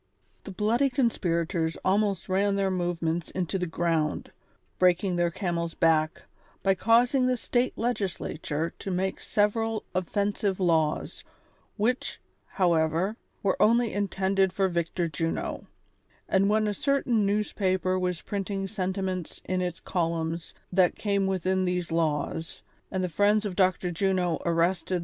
^'HE bloody conspirators almost ran their movements into the ground, breaking their camel's back, bj' causing the State Legislature to make several offensive laws, which, however, were only in tended for Victor Juno ; and when a certain newspaper was printing sentiments in its columns that came within tlicse laws, and the friends of Dr. Juno arrested tb.